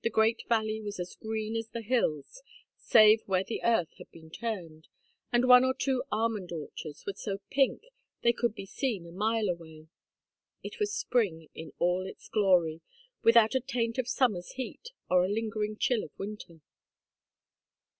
The great valley was as green as the hills, save where the earth had been turned, and one or two almond orchards were so pink they could be seen a mile away. It was spring in all its glory, without a taint of summer's heat, or a lingering chill of winter.